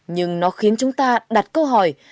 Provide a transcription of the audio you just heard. nhưng nó khiến chúng ta đặt câu hỏi